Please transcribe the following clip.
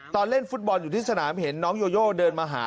ตอนเล่นฟุตบอลอยู่ที่สนามเห็นน้องโยโยเดินมาหา